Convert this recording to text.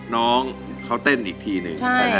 น้องเขาเต้นอีกทีหนึ่ง